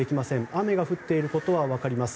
雨が降っていることは分かります。